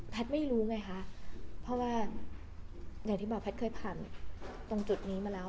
เพราะว่าอย่างที่บอกว่าผมเคยผ่านจุดนี้มาแล้ว